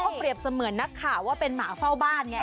แล้วเขาเตรียมเสมือนกันคะว่าเป็นหมาเฝ้าบ้านไง